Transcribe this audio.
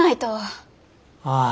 ああ。